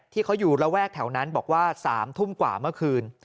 ที่เขาอยู่ระแวกแถวนั้นบอกว่า๓ทุ่มกว่าเมื่อคืน